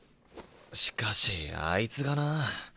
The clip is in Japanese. しかしあいつがなあ。